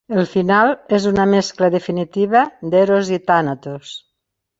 El final és una mescla definitiva d"eros i tànatos.